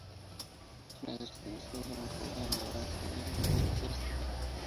Schneider se inició desde muy joven en la danza y el ballet clásico.